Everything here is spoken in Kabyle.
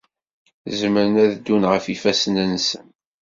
Zemren ad ddun ɣef yifassen-nsen.